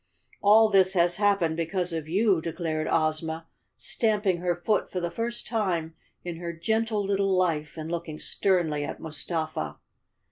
"All this has happened because of you!" declared Ozma, stamping her foot for the first time in her gentle little life, and looking sternly at Mustafa.